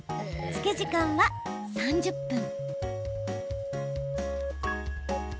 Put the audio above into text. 漬け時間は３０分。